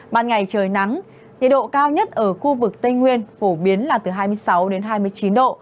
ban ngày trời nắng nhiệt độ cao nhất ở khu vực tây nguyên phổ biến là từ hai mươi sáu đến hai mươi chín độ